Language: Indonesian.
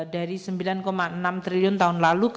dari sembilan enam triliun tahun lalu